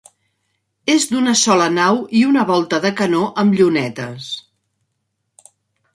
És d'una sola nau i una volta de canó amb llunetes.